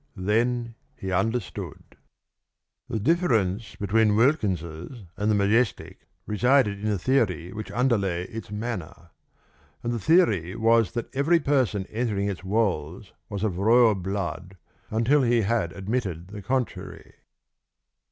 Then he understood. The difference between Wilkins's and the Majestic resided in the theory which underlay its manner. And the theory was that every person entering its walls was of royal blood until he had admitted the contrary.